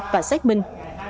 và xét minh